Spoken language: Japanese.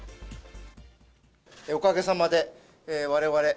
おかげさまでわれわれ